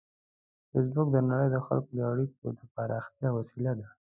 فېسبوک د نړۍ د خلکو د اړیکو د پراختیا وسیله ده